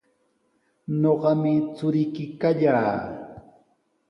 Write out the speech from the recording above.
Ñuqami churiyki kallaa.